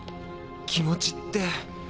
気持ちって。